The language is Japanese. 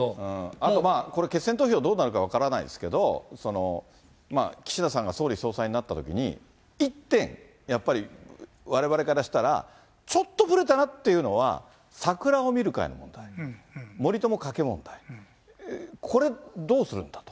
あと、これ、決選投票どうなるか分からないですけど、岸田さんが総理総裁になったときに、一点、やっぱりわれわれからしたら、ちょっとぶれたかなというのは、桜を見る会、森友、加計問題、これ、どうするんだと。